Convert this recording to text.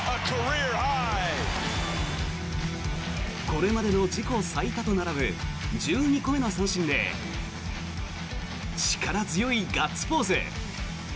これまでの自己最多と並ぶ１２個目の三振で力強いガッツポーズ。